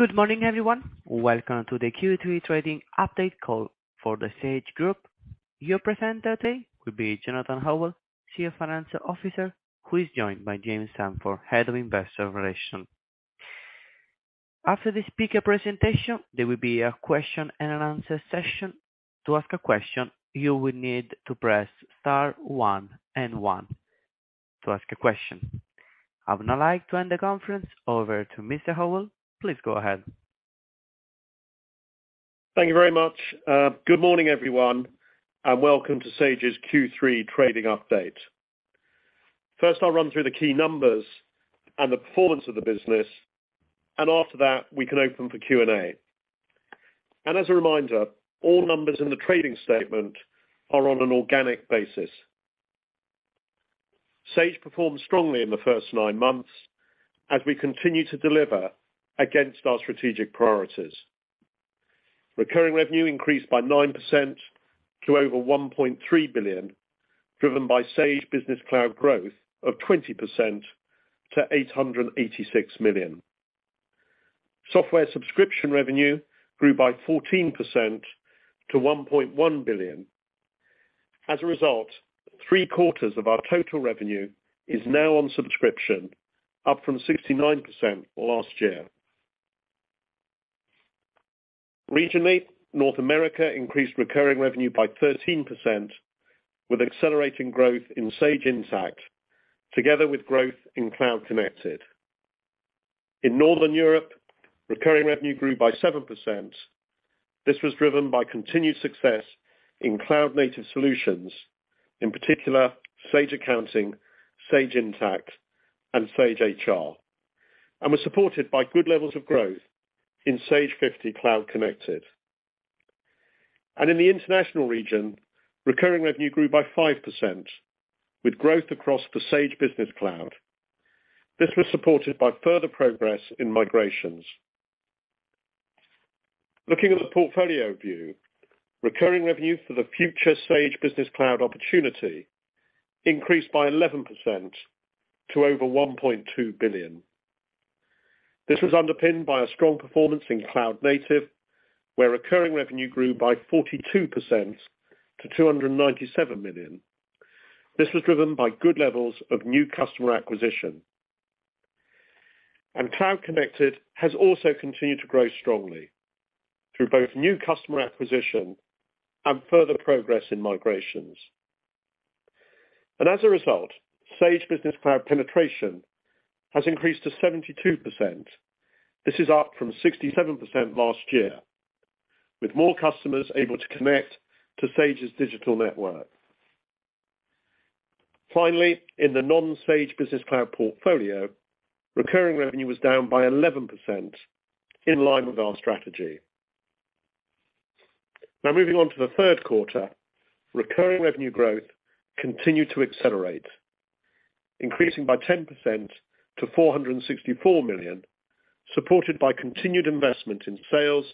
Good morning, everyone. Welcome to the Q3 trading update call for The Sage Group. Your presenter today will be Jonathan Howell, Chief Financial Officer, who is joined by James Sherwood, Head of Investor Relations. After the speaker presentation, there will be a question and answer session. To ask a question, you will need to press star one and one to ask a question. I would now like to hand the conference over to Mr. Howell. Please go ahead. Thank you very much. Good morning, everyone, and welcome to Sage's Q3 trading update. First, I'll run through the key numbers and the performance of the business, and after that, we can open for Q&A. As a reminder, all numbers in the trading statement are on an organic basis. Sage performed strongly in the first 9 months as we continue to deliver against our strategic priorities. Recurring revenue increased by 9% to over 1.3 billion, driven by Sage Business Cloud growth of 20% to 886 million. Software subscription revenue grew by 14% to 1.1 billion. As a result, three-quarters of our total revenue is now on subscription, up from 69% last year. Regionally, North America increased recurring revenue by 13% with accelerating growth in Sage Intacct, together with growth in Cloud Connected. In Northern Europe, recurring revenue grew by 7%. This was driven by continued success in Cloud Native solutions, in particular Sage Accounting, Sage Intacct, and Sage HR, and was supported by good levels of growth in Sage 50 Cloud Connected. In the international region, recurring revenue grew by 5% with growth across the Sage Business Cloud. This was supported by further progress in migrations. Looking at the portfolio view, recurring revenue for the future Sage Business Cloud opportunity increased by 11% to over 1.2 billion. This was underpinned by a strong performance in Cloud Native, where recurring revenue grew by 42% to 297 million. This was driven by good levels of new customer acquisition. Cloud Connected has also continued to grow strongly through both new customer acquisition and further progress in migrations. As a result, Sage Business Cloud penetration has increased to 72%. This is up from 67% last year, with more customers able to connect to Sage's digital network. Finally, in the non-Sage Business Cloud portfolio, recurring revenue was down by 11%, in line with our strategy. Now, moving on to the third quarter. Recurring revenue growth continued to accelerate, increasing by 10% to 464 million, supported by continued investment in sales,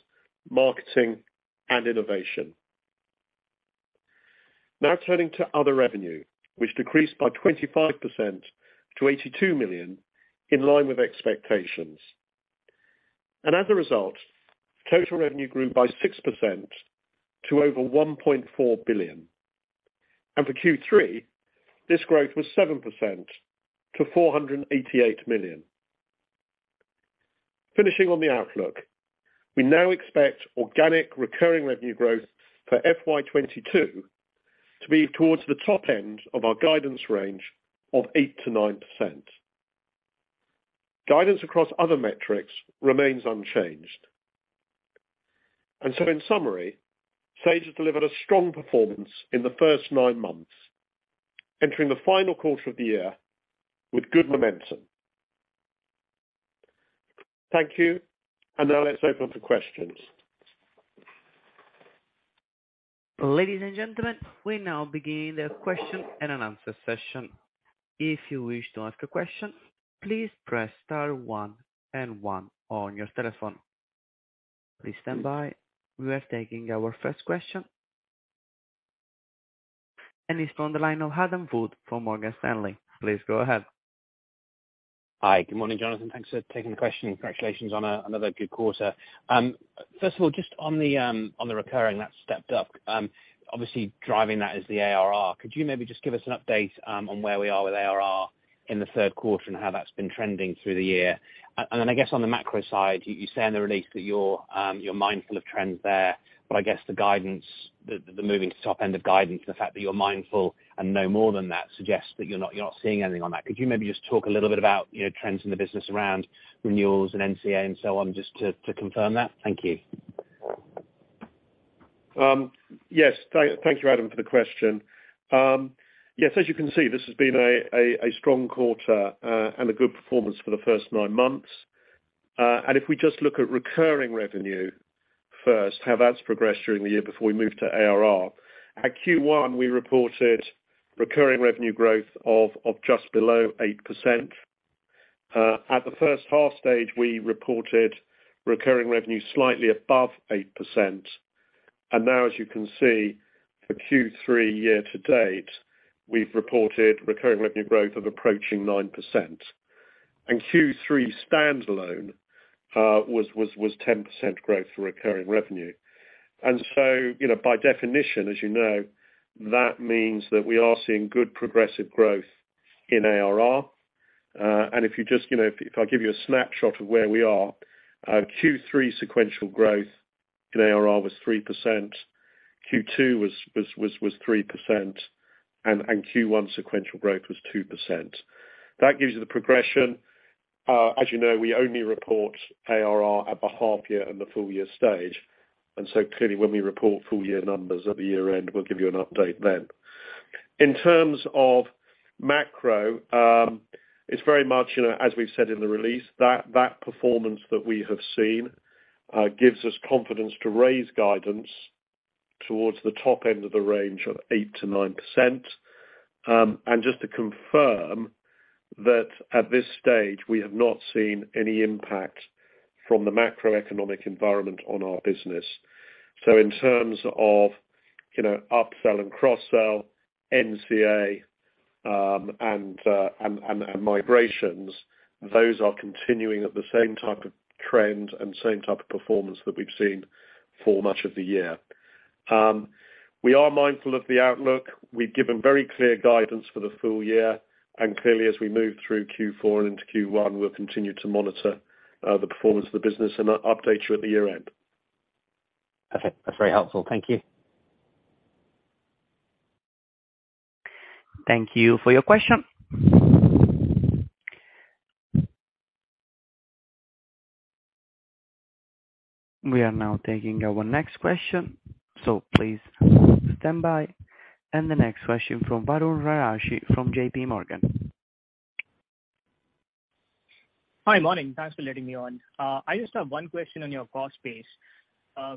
marketing, and innovation. Now, turning to other revenue, which decreased by 25% to 82 million, in line with expectations. As a result, total revenue grew by 6% to over 1.4 billion. For Q3, this growth was 7% to 488 million. Finishing on the outlook, we now expect organic recurring revenue growth for FY22 to be towards the top end of our guidance range of 8%-9%. Guidance across other metrics remains unchanged. In summary, Sage has delivered a strong performance in the first nine months, entering the final quarter of the year with good momentum. Thank you, and now let's open for questions. Ladies and gentlemen, we're now beginning the question and answer session. If you wish to ask a question, please press star one and one on your telephone. Please stand by. We are taking our first question. It's on the line of Adam Wood from Morgan Stanley. Please go ahead. Hi. Good morning, Jonathan. Thanks for taking the question. Congratulations on another good quarter. First of all, just on the recurring, that stepped up. Obviously driving that is the ARR. Could you maybe just give us an update on where we are with ARR in the third quarter and how that's been trending through the year? And then I guess on the macro side, you say in the release that you're you're mindful of trends there, but I guess the guidance, the moving to top end of guidance, the fact that you're mindful and no more than that suggests that you're not seeing anything on that. Could you maybe just talk a little bit about, you know, trends in the business around renewals and NCA and so on, just to confirm that? Thank you. Yes. Thank you, Adam, for the question. Yes, as you can see, this has been a strong quarter and a good performance for the first 9 months. If we just look at recurring revenue first, how that's progressed during the year before we move to ARR. At Q1, we reported recurring revenue growth of just below 8%. At the first half stage, we reported recurring revenue slightly above 8%. Now, as you can see for Q3 year to date, we've reported recurring revenue growth of approaching 9%. Q3 standalone was 10% growth for recurring revenue. You know, by definition, as you know, that means that we are seeing good progressive growth in ARR. If you just, you know, if I give you a snapshot of where we are, Q3 sequential growth in ARR was 3%, Q2 was 3%, and Q1 sequential growth was 2%. That gives you the progression. As you know, we only report ARR at the half year and the full year stage. Clearly when we report full year numbers at the year-end, we'll give you an update then. In terms of macro, it's very much, you know, as we've said in the release, that performance that we have seen gives us confidence to raise guidance towards the top end of the range of 8%-9%. Just to confirm that at this stage we have not seen any impact from the macroeconomic environment on our business. In terms of, you know, upsell and cross-sell, NCA, and migrations, those are continuing at the same type of trend and same type of performance that we've seen for much of the year. We are mindful of the outlook. We've given very clear guidance for the full year, and clearly as we move through Q4 and into Q1, we'll continue to monitor the performance of the business and update you at the year-end. Okay. That's very helpful. Thank you. Thank you for your question. We are now taking our next question, so please stand by. The next question from Varun Agarwal from JP Morgan. Hi. Morning. Thanks for letting me on. I just have one question on your cost base.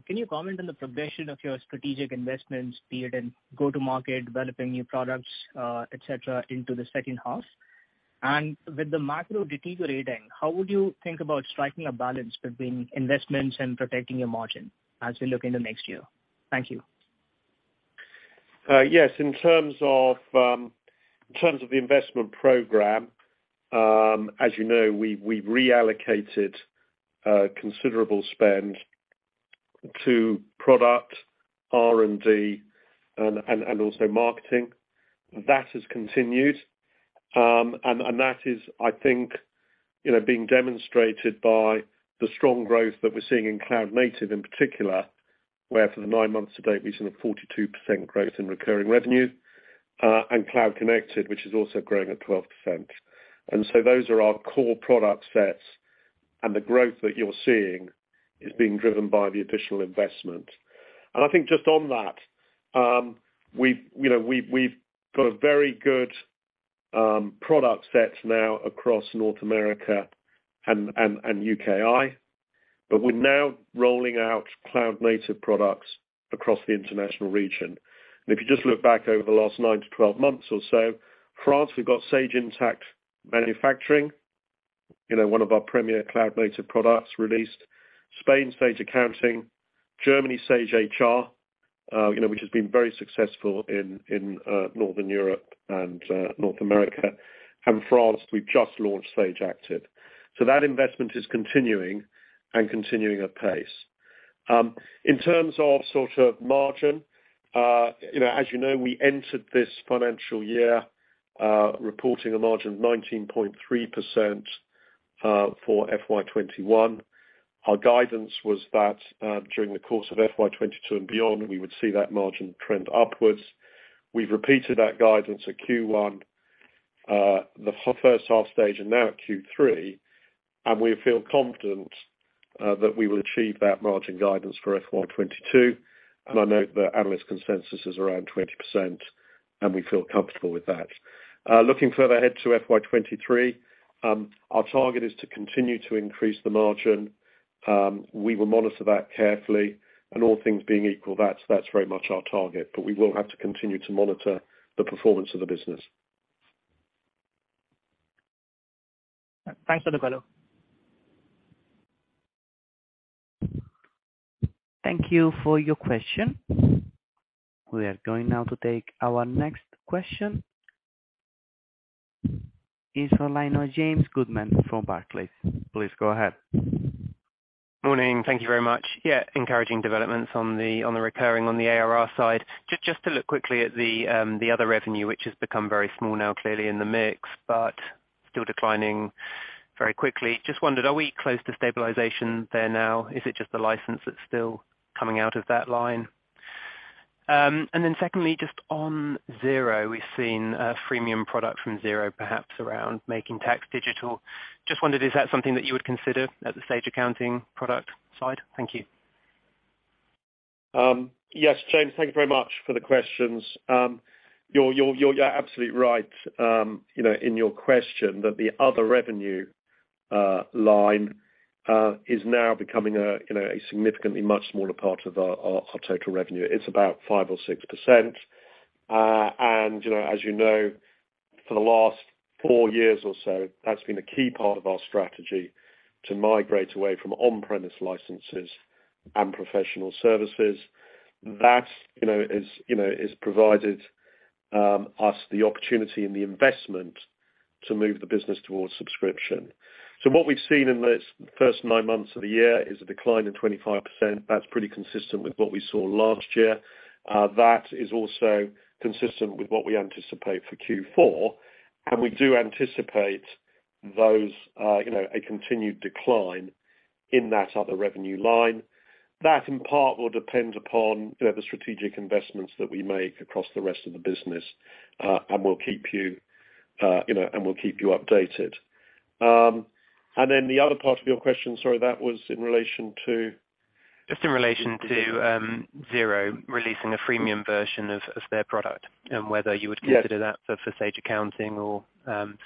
Can you comment on the progression of your strategic investments, be it in go-to-market, developing new products, et cetera, into the second half? With the macro deteriorating, how would you think about striking a balance between investments and protecting your margin as we look into next year? Thank you. Yes, in terms of the investment program, as you know, we reallocated considerable spend to product R&D and also marketing. That has continued. That is, I think, you know, being demonstrated by the strong growth that we're seeing in Cloud Native in particular, where for the nine months to date we've seen a 42% growth in recurring revenue, and Cloud Connected, which is also growing at 12%. Those are our core product sets, and the growth that you're seeing is being driven by the additional investment. I think just on that, we've, you know, got a very good product set now across North America and UKI, but we're now rolling out Cloud Native products across the international region. If you just look back over the last 9-12 months or so, France, we've got Sage Intacct Manufacturing, you know, one of our premier Cloud Native products released. Spain, Sage Accounting, Germany, Sage HR, you know, which has been very successful in Northern Europe and North America. France, we've just launched Sage Active. That investment is continuing at pace. In terms of sort of margin, you know, as you know, we entered this financial year, reporting a margin of 19.3% for FY21. Our guidance was that, during the course of FY22 and beyond, we would see that margin trend upwards. We've repeated that guidance at Q1, the first half stage and now at Q3, and we feel confident that we will achieve that margin guidance for FY22. I note the analyst consensus is around 20%, and we feel comfortable with that. Looking further ahead to FY23, our target is to continue to increase the margin. We will monitor that carefully, and all things being equal, that's very much our target, but we will have to continue to monitor the performance of the business. Thanks for the call. Thank you for your question. We are going now to take our next question. It's from James Goodman from Barclays. Please go ahead. Morning. Thank you very much. Yeah, encouraging developments on the recurring, on the ARR side. Just to look quickly at the other revenue, which has become very small now clearly in the mix, but still declining very quickly. Just wondered, are we close to stabilization there now? Is it just the license that's still coming out of that line? And then secondly, just on Xero, we've seen a freemium product from Xero, perhaps around Making Tax Digital. Just wondered, is that something that you would consider at the Sage Accounting product side? Thank you. Yes, James. Thank you very much for the questions. You're absolutely right, you know, in your question that the other revenue line is now becoming a you know, a significantly much smaller part of our total revenue. It's about 5 or 6%. You know, as you know. For the last four years or so, that's been a key part of our strategy to migrate away from on-premise licenses and professional services. That you know has provided us the opportunity and the investment to move the business towards subscription. What we've seen in this first nine months of the year is a decline of 25%. That's pretty consistent with what we saw last year. That is also consistent with what we anticipate for Q4, and we do anticipate those, you know, a continued decline in that other revenue line. That, in part, will depend upon, you know, the strategic investments that we make across the rest of the business. We'll keep you updated. The other part of your question, sorry, that was in relation to? Just in relation to Xero releasing a freemium version of their product and whether you would- Yes consider that for Sage Accounting or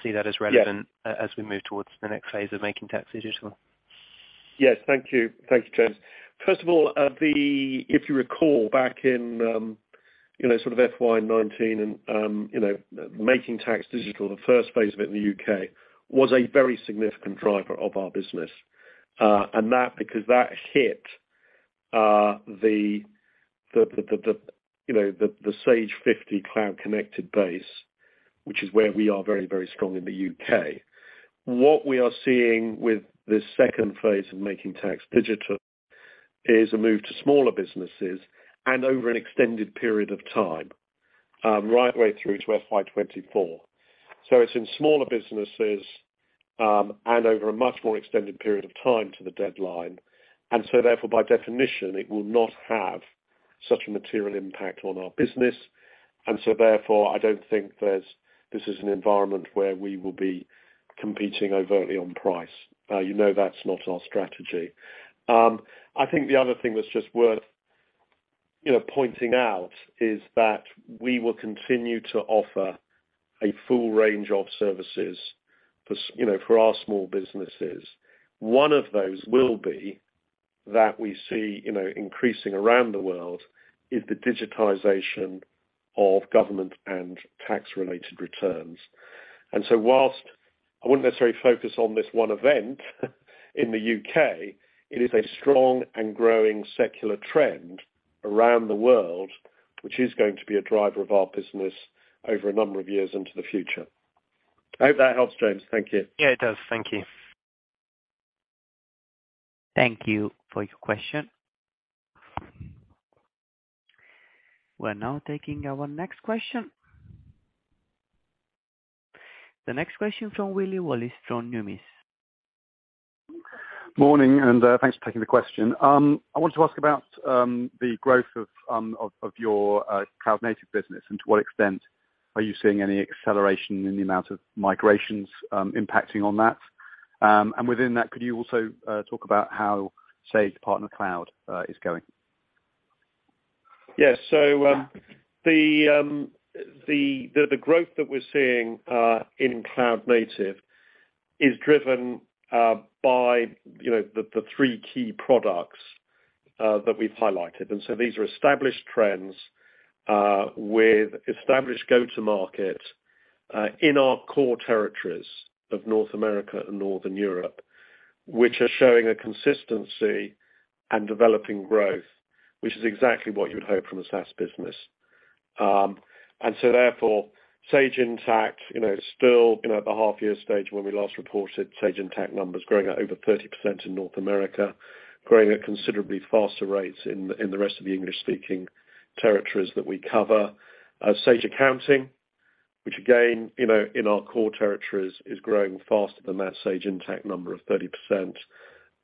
see that as relevant. Yes as we move toward the next phase of Making Tax Digital. Yes. Thank you. Thank you, James. First of all, if you recall back in, you know, sort of FY19 and, you know, Making Tax Digital, the first phase of it in the UK was a very significant driver of our business. And that because that hit the Sage 50 Cloud Connected base, which is where we are very, very strong in the UK. What we are seeing with this second phase of Making Tax Digital is a move to smaller businesses and over an extended period of time, right the way through to FY24. It's in smaller businesses, and over a much more extended period of time to the deadline. Therefore, by definition, it will not have such a material impact on our business. Therefore, I don't think this is an environment where we will be competing overtly on price. You know, that's not our strategy. I think the other thing that's just worth, you know, pointing out is that we will continue to offer a full range of services for you know, for our small businesses. One of those will be that we see, you know, increasing around the world is the digitization of government and tax related returns. While I wouldn't necessarily focus on this one event in the U.K., it is a strong and growing secular trend around the world, which is going to be a driver of our business over a number of years into the future. I hope that helps, James. Thank you. Yeah, it does. Thank you. Thank you for your question. We're now taking our next question. The next question from Will Singlehurst from Numis. Morning, thanks for taking the question. I wanted to ask about the growth of your Cloud Native business and to what extent are you seeing any acceleration in the amount of migrations impacting on that? Within that, could you also talk about how Sage Partner Cloud is going? Yes. The growth that we're seeing in Cloud Native is driven by, you know, the three key products that we've highlighted. These are established trends with established go-to-market in our core territories of North America and Northern Europe, which are showing a consistency and developing growth, which is exactly what you would hope from a SaaS business. Therefore, Sage Intacct, you know, still, you know, at the half year stage when we last reported Sage Intacct numbers growing at over 30% in North America, growing at considerably faster rates in the rest of the English-speaking territories that we cover. Sage Accounting, which again, you know, in our core territories, is growing faster than that Sage Intacct number of 30%.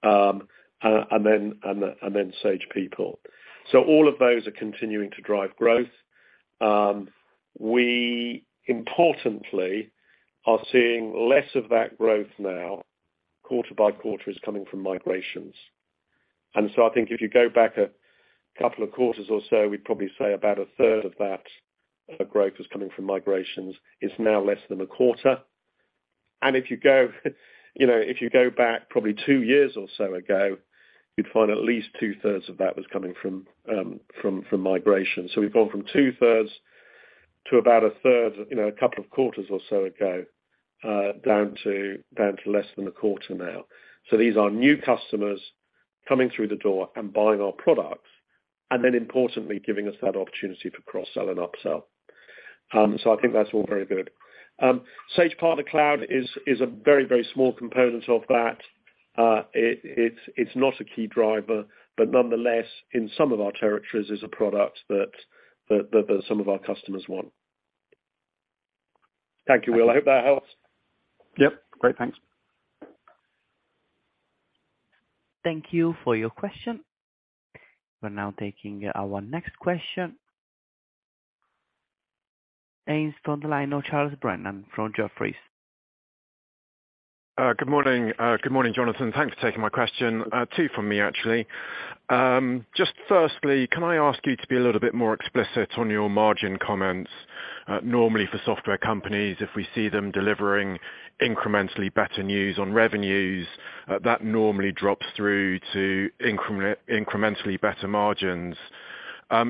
And then Sage People. All of those are continuing to drive growth. We importantly are seeing less of that growth now, quarter by quarter, is coming from migrations. I think if you go back a couple of quarters or so, we'd probably say about a third of that growth is coming from migrations. It's now less than a quarter. If you go, you know, if you go back probably two years or so ago, you'd find at least two-thirds of that was coming from migration. We've gone from two thirds to about a third, you know, a couple of quarters or so ago, down to less than a quarter now. These are new customers coming through the door and buying our products and then importantly giving us that opportunity to cross-sell and upsell. I think that's all very good. Sage Partner Cloud is a very, very small component of that. It's not a key driver, but nonetheless in some of our territories is a product that some of our customers want. Thank you, Will. I hope that helps. Yep. Great. Thanks. Thank you for your question. We're now taking our next question. From the line of Charles Brennan from Jefferies. Good morning. Good morning, Jonathan. Thanks for taking my question. Two from me actually. Just firstly, can I ask you to be a little bit more explicit on your margin comments? Normally for software companies, if we see them delivering incrementally better news on revenues, that normally drops through to incrementally better margins.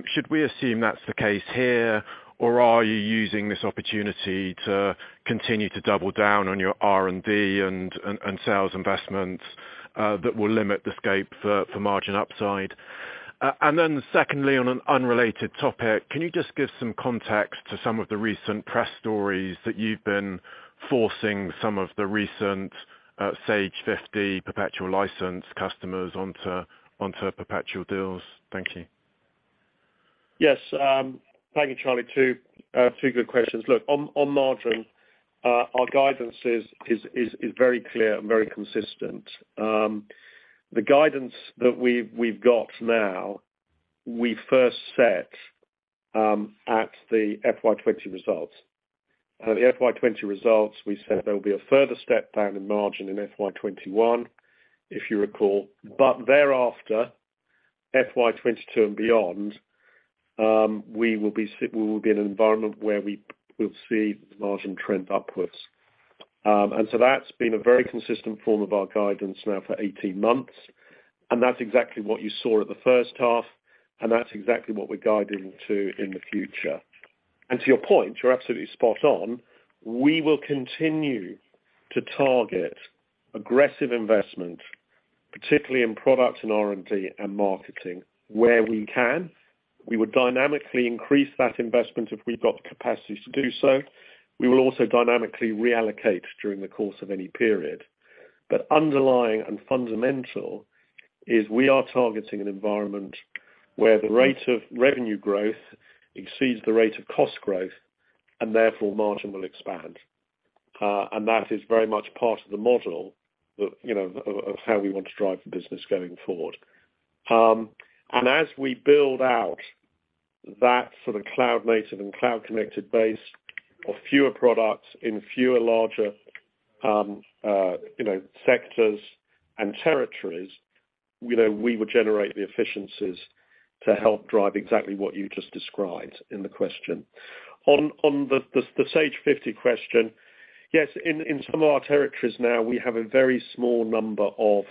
Should we assume that's the case here, or are you using this opportunity to continue to double down on your R&D and sales investments that will limit the scope for margin upside? Secondly, on an unrelated topic, can you just give some context to some of the recent press stories that you've been forcing some of the recent Sage 50 perpetual license customers onto perpetual deals? Thank you. Yes. Thank you, Charlie. Two good questions. Look, on margins, our guidance is very clear and very consistent. The guidance that we've got now, we first set at the FY20 results. At the FY20 results, we said there will be a further step down in margin in FY21, if you recall, but thereafter, FY22 and beyond, we will be in an environment where we will see the margin trend upwards. That's been a very consistent form of our guidance now for 18 months, and that's exactly what you saw at the first half, and that's exactly what we're guiding to in the future. To your point, you're absolutely spot on. We will continue to target aggressive investment, particularly in product and R&D and marketing, where we can. We would dynamically increase that investment if we've got the capacity to do so. We will also dynamically reallocate during the course of any period. Underlying and fundamental is we are targeting an environment where the rate of revenue growth exceeds the rate of cost growth, and therefore margin will expand. And that is very much part of the model that, you know, of how we want to drive the business going forward. And as we build out that sort of cloud-native and cloud-connected base of fewer products in fewer larger, you know, sectors and territories we would generate the efficiencies to help drive exactly what you just described in the question. On the Sage 50 question, yes, in some of our territories now, we have a very small number of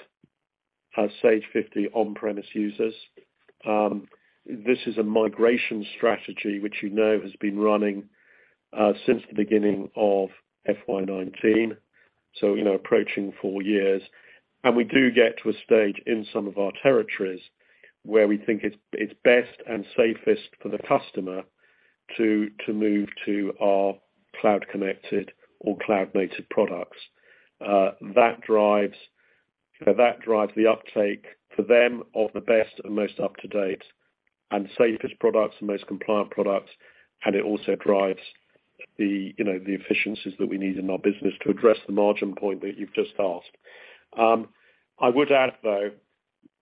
Sage 50 on-premise users. This is a migration strategy which you know has been running since the beginning of FY19, so you know, approaching 4 years. We do get to a stage in some of our territories where we think it's best and safest for the customer to move to our Cloud Connected or Cloud Native products. That drives the uptake for them of the best and most up-to-date and safest products and most compliant products. It also drives you know, the efficiencies that we need in our business to address the margin point that you've just asked. I would add though,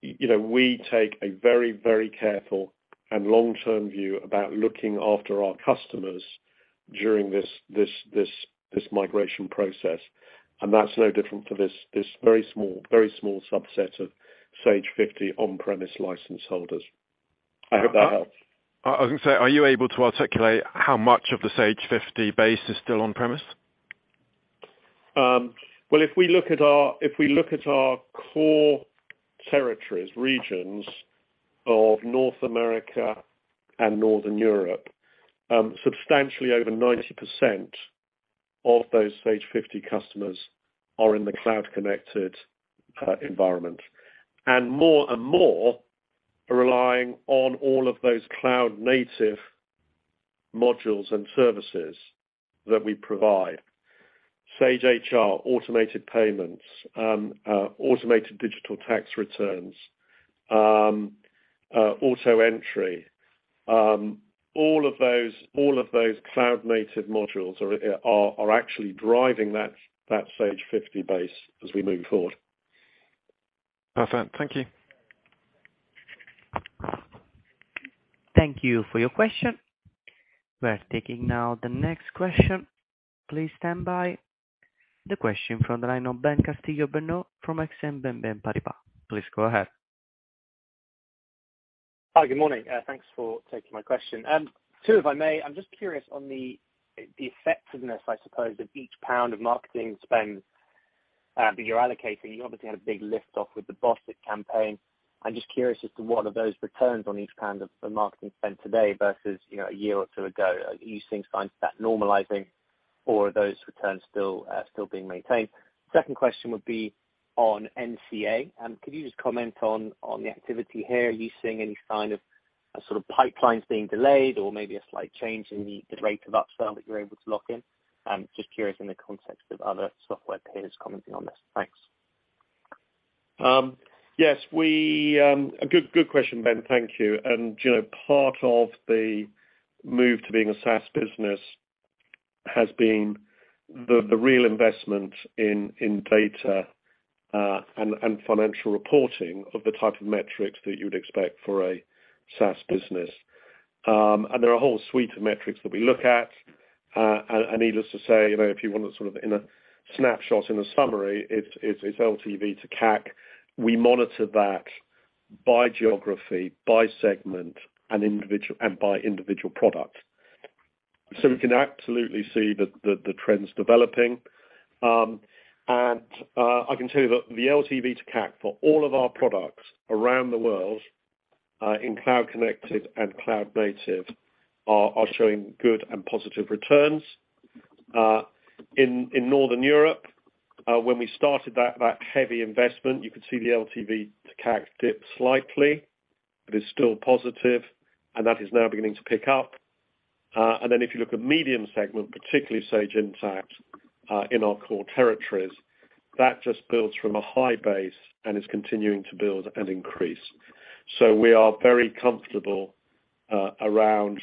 you know, we take a very careful and long-term view about looking after our customers during this migration process, and that's no different for this very small subset of Sage 50 on-premise license holders. I hope that helps. I was going to say, are you able to articulate how much of the Sage 50 base is still on-premises? Well, if we look at our core territories, regions of North America and Northern Europe, substantially over 90% of those Sage 50 customers are in the Cloud Connected environment, and more and more are relying on all of those Cloud Native modules and services that we provide. Sage HR, automated payments, automated digital tax returns, AutoEntry. All of those Cloud Native modules are actually driving that Sage 50 base as we move forward. Perfect. Thank you. Thank you for your question. We're taking now the next question. Please stand by. The question from the line of Ben Callow from Exane BNP Paribas. Please go ahead. Hi, good morning. Thanks for taking my question. Two, if I may. I'm just curious on the effectiveness, I suppose, of each pound of marketing spend that you're allocating. You obviously had a big lift off with the Boss It campaign. I'm just curious as to what are those returns on each pound of marketing spend today versus, you know, a year or two ago. Are these things finding that normalizing or are those returns still being maintained? Second question would be on NCA. Could you just comment on the activity here? Are you seeing any sign of sort of pipelines being delayed or maybe a slight change in the rate of upsell that you're able to lock in? Just curious in the context of other software peers commenting on this. Thanks. Yes. Good question, Ben. Thank you. You know, part of the move to being a SaaS business has been the real investment in data and financial reporting of the type of metrics that you would expect for a SaaS business. There are a whole suite of metrics that we look at and needless to say, you know, if you want a sort of in a snapshot, in a summary, it's LTV to CAC. We monitor that by geography, by segment, and by individual product. So we can absolutely see the trends developing. I can tell you that the LTV to CAC for all of our products around the world in Cloud Connected and Cloud Native are showing good and positive returns. In Northern Europe, when we started that heavy investment, you could see the LTV to CAC dip slightly. It is still positive and that is now beginning to pick up. If you look at medium segment, particularly Sage Intacct, in our core territories, that just builds from a high base and is continuing to build and increase. We are very comfortable around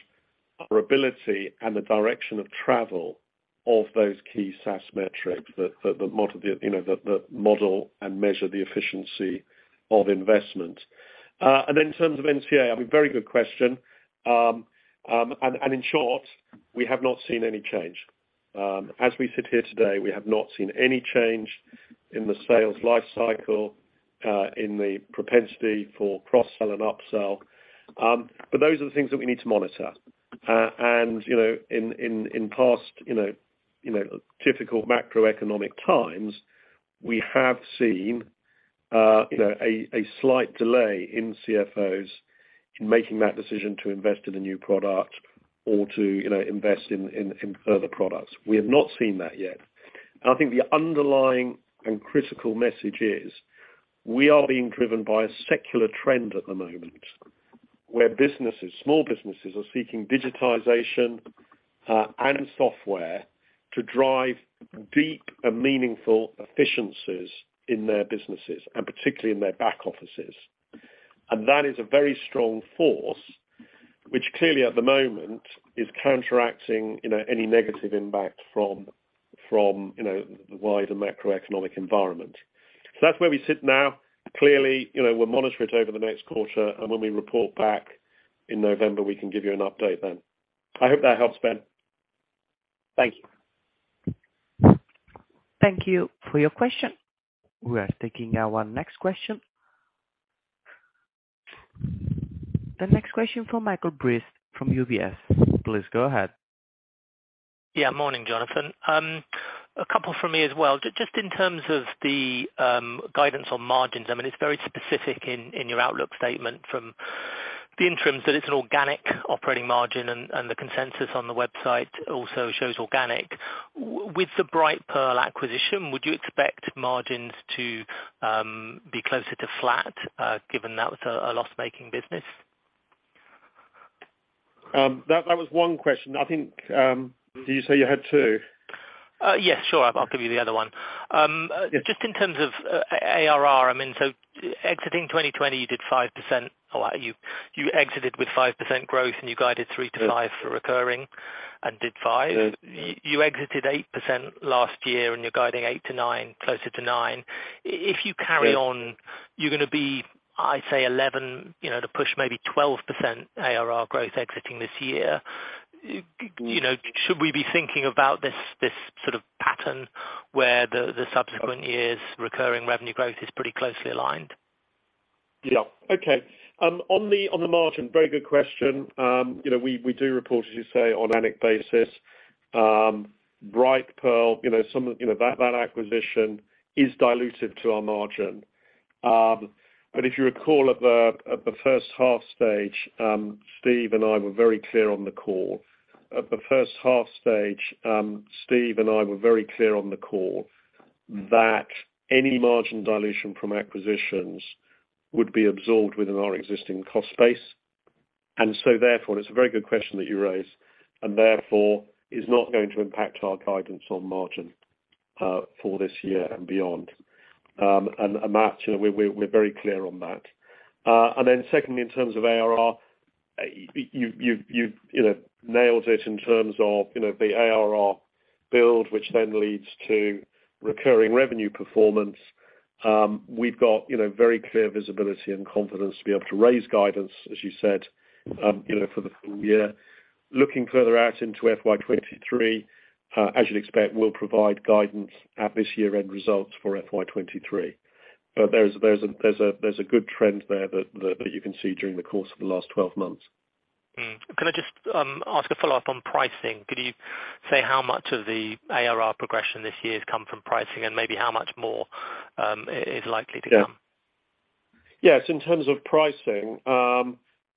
our ability and the direction of travel of those key SaaS metrics that model the, you know, that model and measure the efficiency of investment. In terms of NCA, I mean, very good question. In short, we have not seen any change. As we sit here today, we have not seen any change in the sales life cycle, in the propensity for cross-sell and up-sell. Those are the things that we need to monitor. You know, in past you know typical macroeconomic times, we have seen you know a slight delay in CFOs in making that decision to invest in a new product or to you know invest in further products. We have not seen that yet. I think the underlying and critical message is, we are being driven by a secular trend at the moment where businesses, small businesses are seeking digitization, and software to drive deep and meaningful efficiencies in their businesses, and particularly in their back offices. That is a very strong force, which clearly at the moment is counteracting you know any negative impact from you know the wider macroeconomic environment. That's where we sit now. Clearly, you know, we'll monitor it over the next quarter, and when we report back in November, we can give you an update then. I hope that helps, Ben. Thank you. Thank you for your question. We are taking our next question. The next question from Michael Briest from UBS. Please go ahead. Yeah. Morning, Jonathan. A couple from me as well. Just in terms of the guidance on margins, I mean, it's very specific in your outlook statement from the interims that it's an organic operating margin and the consensus on the website also shows organic. With the Brightpearl acquisition, would you expect margins to be closer to flat, given that was a loss-making business? That was one question. I think, did you say you had two? Yes, sure. I'll give you the other one. Yeah. Just in terms of ARR, I mean, exiting 2020, you did 5%. Well, you exited with 5% growth and you guided 3%-5% for recurring and did 5%. Yes. You exited 8% last year and you're guiding 8%-9%, closer to 9%. Yes. If you carry on, you're going to be, I say 11, you know, to push maybe 12% ARR growth exiting this year. You know, should we be thinking about this sort of pattern where the subsequent year's recurring revenue growth is pretty closely aligned? Yeah. Okay. On the margin, very good question. You know, we do report, as you say, on an adjusted basis. Brightpearl, you know, that acquisition is dilutive to our margin. But if you recall at the first half stage, Steve and I were very clear on the call that any margin dilution from acquisitions would be absorbed within our existing cost base. It's a very good question that you raise, and therefore is not going to impact our guidance on margin for this year and beyond. That, you know, we're very clear on that. Secondly, in terms of ARR, you know, nailed it in terms of, you know, the ARR build, which then leads to recurring revenue performance. We've got, you know, very clear visibility and confidence to be able to raise guidance, as you said, you know, for the full year. Looking further out into FY23, as you'd expect, we'll provide guidance at this year-end results for FY23. There's a good trend there that you can see during the course of the last 12 months. Can I just ask a follow-up on pricing? Could you say how much of the ARR progression this year has come from pricing and maybe how much more is likely to come? Yes, in terms of pricing,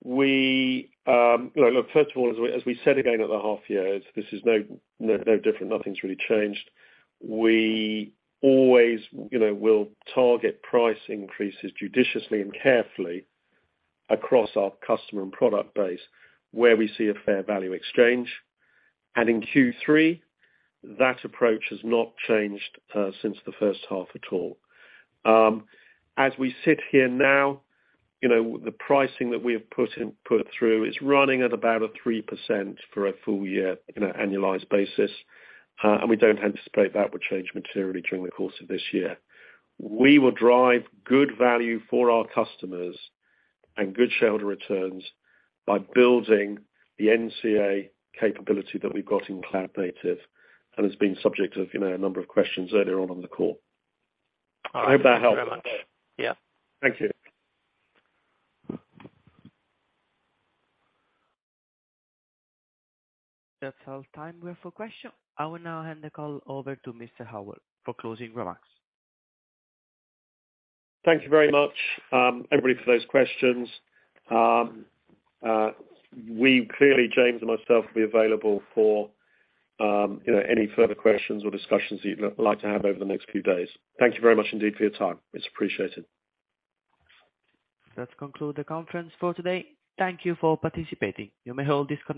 look, first of all, as we said again at the half years, this is no different. Nothing's really changed. We always, you know, will target price increases judiciously and carefully across our customer and product base where we see a fair value exchange. In Q3, that approach has not changed since the first half at all. As we sit here now, you know, the pricing that we have put through is running at about 3% for a full year on an annualized basis, and we don't anticipate that will change materially during the course of this year. We will drive good value for our customers and good shareholder returns by building the NCA capability that we've got in Cloud Native and has been subject of, you know, a number of questions earlier on the call. All right. I hope that helps. Thank you very much. Yeah. Thank you. That's all the time we have for questions. I will now hand the call over to Mr. Howell for closing remarks. Thank you very much, everybody for those questions. We clearly, James and myself, will be available for, you know, any further questions or discussions that you'd like to have over the next few days. Thank you very much indeed for your time. It's appreciated. That concludes the conference for today. Thank you for participating. You may all disconnect.